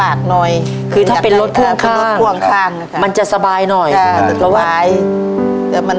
ทับผลไม้เยอะเห็นยายบ่นบอกว่าเป็นยังไงครับ